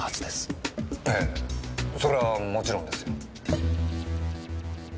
ええそりゃあもちろんですよ。